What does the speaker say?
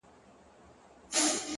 • قربانۍ ته ساده ګان له حده تېر وي ,